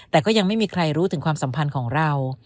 แต่ก็ยังไม่มีใครรู้ถึงความสัมพันธ์ของเรา